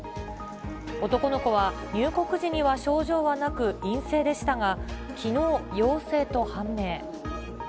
男の子は、入国時には症状はなく陰性でしたが、きのう、陽性と判明。